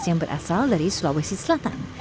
yang berasal dari sulawesi selatan